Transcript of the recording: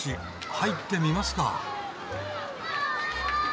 入ってみますか。